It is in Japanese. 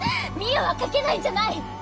澪は書けないんじゃない！